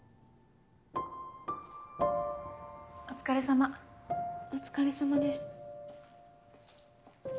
お疲れさまお疲れさまです